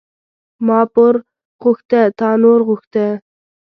ما پور غوښته تا نور غوښته.